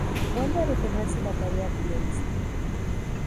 Vuelve a detenerse la tarea periodística.